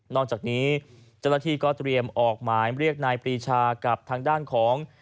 จากนี้เจ้าหน้าที่ก็เตรียมออกหมายเรียกนายปรีชากับทางด้านของ